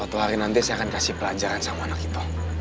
satu hari nanti saya akan kasih pelanjaran sama anak itu